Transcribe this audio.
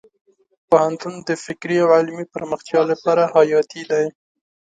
پوهنتون د فکري او علمي پراختیا لپاره حیاتي دی.